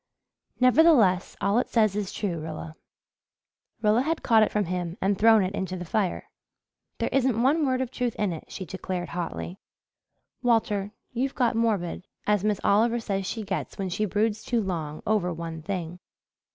"Nevertheless, all it says is true, Rilla." Rilla had caught it from him and thrown it into the fire. "There isn't one word of truth in it," she declared hotly. "Walter, you've got morbid as Miss Oliver says she gets when she broods too long over one thing."